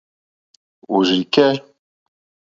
Òrzì kɛ́.